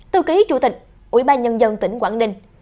tư ký chủ tịch ủy ban nhân dân tỉnh quảng ninh